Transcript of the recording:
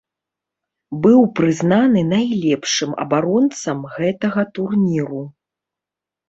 Быў прызнаны найлепшым абаронцам гэтага турніру.